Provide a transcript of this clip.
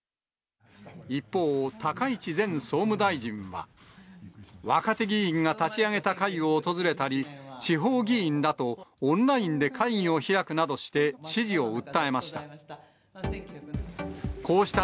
一方、高市前総務大臣は、若手議員が立ち上げた会を訪れたり、地方議員らとオンラインで会議を開くなどして、支持を訴えました。